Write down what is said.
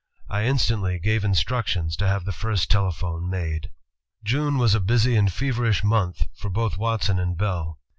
I instantly gave instructions to have the first telephone made." June was a busy and feverish month for both Watson and Bell.